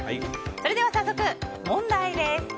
それでは早速、問題です。